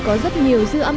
có rất nhiều dư âm